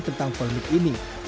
tentang polemik ini